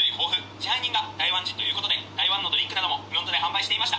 支配人が台湾人ということで台湾のドリンクなどもフロントで販売していました。